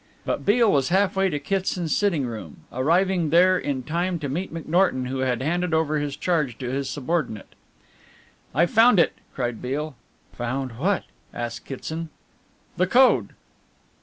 But Beale was half way to Kitson's sitting room, arriving there in time to meet McNorton who had handed over his charge to his subordinate. "I've found it!" cried Beale. "Found what?" asked Kitson. "The code!"